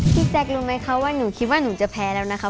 แจ๊ครู้ไหมคะว่าหนูคิดว่าหนูจะแพ้แล้วนะคะ